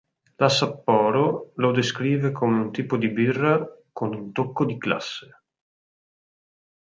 La Sapporo lo descrive come un tipo di birra con "un tocco di classe".